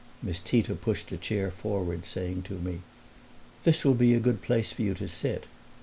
Miss Tita pushed a chair forward, saying to me, "This will be a good place for you to sit."